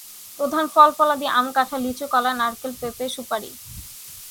প্রধান ফল-ফলাদি আম, কাঁঠাল, লিচু, কলা, নারিকেল, পেঁপে, সুপারি।